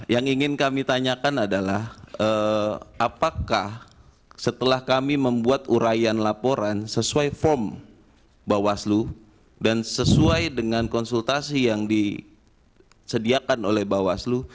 yang ingin kami tanyakan adalah apakah setelah kami membuat urayan laporan sesuai form bawaslu dan sesuai dengan konsultasi yang disediakan oleh bawaslu